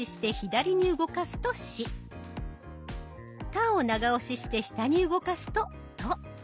「た」を長押しして下に動かすと「と」。